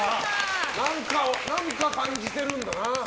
何かを感じてるんだな。